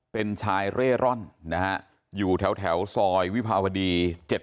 เป็นชายเร่ร่อนนะฮะอยู่แถวซอยวิภาวดี๗๗